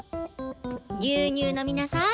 牛乳飲みなさい。